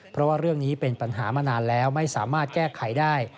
เพราะว่าเรื่องนี้เป็นปัญหามานานแล้วไม่สามารถแก้ไขได้